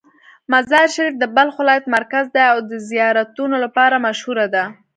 مزار شریف د بلخ ولایت مرکز دی او د زیارتونو لپاره مشهوره ده.